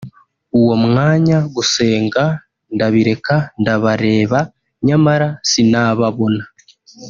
uwo mwanya gusenga ndabireka ndabareba nyamara sinababona